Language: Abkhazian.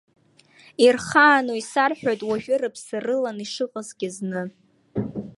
Ирхаану исарҳәоит уажәы, рыԥсы рылан ишыҟазгьы зны.